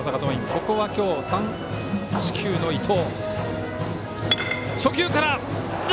ここは今日３四球の伊藤。